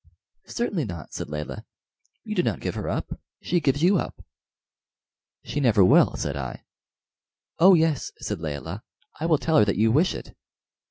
"Certainly not," said Layelah; "you do not give her up she gives you up." "She never will," said I. "Oh yes," said Layelah; "I will tell her that you wish it."